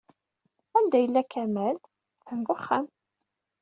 Anda yella Kamal? Atan deg uxxam.